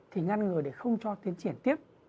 thì ngăn ngừa để không cho tiến triển tiếp